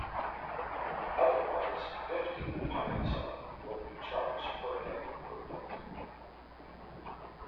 Otherwise fifty paise will be charged per day per book.